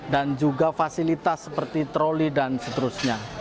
dan juga fasilitas seperti troli dan seterusnya